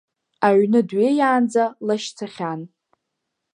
Аҩны дҩеиаанӡа, лашьцахьан.